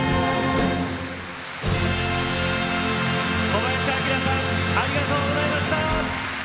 小林旭さんありがとうございました！